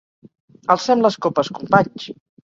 Alcem les copes companys!